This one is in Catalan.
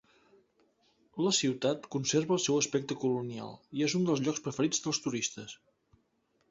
La ciutat conserva el seu aspecte colonial i és un dels llocs preferits dels turistes.